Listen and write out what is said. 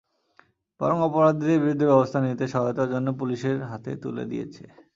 বরং অপরাধীদের বিরুদ্ধে ব্যবস্থা নিতে সহায়তার জন্য পুলিশের হাতে তুলে দিয়েছে।